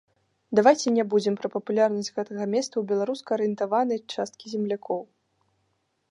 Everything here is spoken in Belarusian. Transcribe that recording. Давайце не будзем пра папулярнасць гэтага месца ў беларуска-арыентаванай часткі землякоў.